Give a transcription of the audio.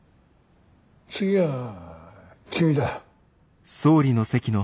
次は君だ。